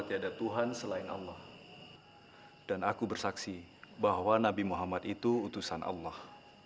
tiada tuhan selain allah dan aku bersaksi bahwa nabi muhammad itu utusan allah